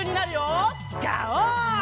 ガオー！